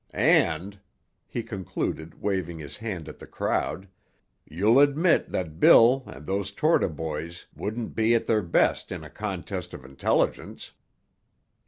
And," he concluded, waving his hand at the crowd, "you'll admit that Bill, and those Torta boys wouldn't be at their best in a contest of intelligence."